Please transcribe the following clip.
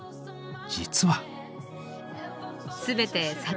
実は。